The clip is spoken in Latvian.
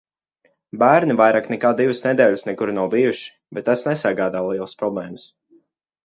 Bērni vairāk nekā divas nedēļas nekur nav bijuši, bet tas nesagādā lielas problēmas.